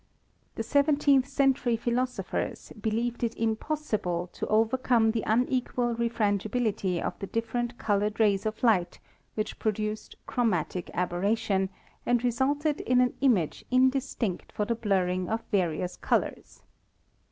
The seventeenth century philosophers believed it impossible to overcome the unequal refrangibility of the different colored rays of light which produced "chromatic aberration" and resulted in an image indistinct for the blurring of various colors.